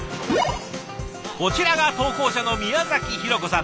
こちらが投稿者の宮博子さん。